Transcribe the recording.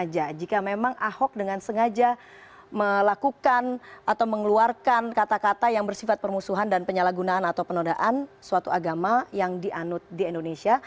jika memang ahok dengan sengaja melakukan atau mengeluarkan kata kata yang bersifat permusuhan dan penyalahgunaan atau penodaan suatu agama yang dianut di indonesia